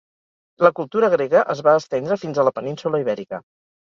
La cultura grega es va estendre fins a la península Ibèrica.